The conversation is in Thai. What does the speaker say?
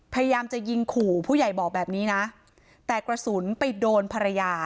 พยายามจะยิงขู่ผู้ใหญ่บอกแบบนี้นะแต่กระสุนไปโดนภรรยา